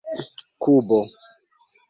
kubo